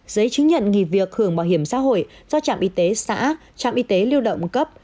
giấy chứng nhận nghỉ việc hưởng bảo hiểm xã hội do trạm y tế xã trạm y tế lưu động cấp